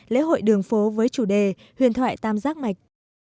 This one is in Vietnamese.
lễ hội đường phố với chủ đề huyền thoại tam giác mạch